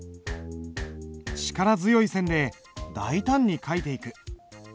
力強い線で大胆に書いていく。